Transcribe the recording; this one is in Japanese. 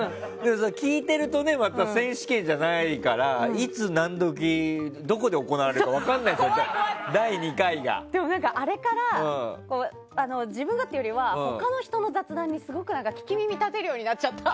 聞いてると選手権じゃないからいつ何時どこで行われるか分からないからでも、あれから自分がというより他の人の雑談に聞き耳立てるようになっちゃった。